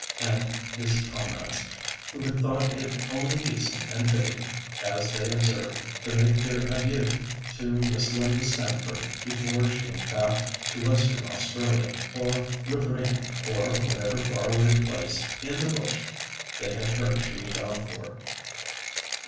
and his comrades, who had thought it only decent and fitting, as they observed, to make their adieux to Miss Linda Stamford before she went back to Western Australia or Riverina, or whatever far away place "in the bush," they had heard she was bound for.